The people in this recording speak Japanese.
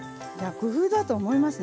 工夫だと思いますね。